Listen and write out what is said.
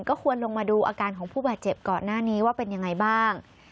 ก็ควรลงมาดูอาการของผู้บาดเจ็บก่อนหน้านี้ว่าเป็นยังไงบ้าง